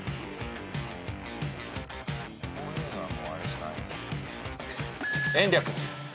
こういうのはもうあれしかないでしょ。